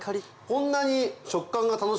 こんなに。